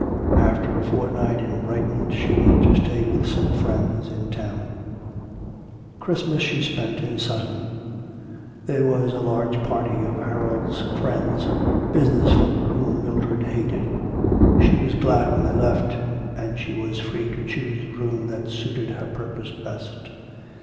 After a fortnight in Brighton she went to stay with some friends in town. Christmas she spent in Sutton. There was a large party of Harold's friends, business folk, whom Mildred hated. She was glad when they left, and she was free to choose the room that suited her purpose best.